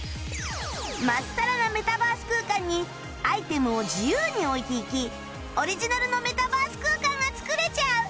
真っさらなメタバース空間にアイテムを自由に置いていきオリジナルのメタバース空間が作れちゃう！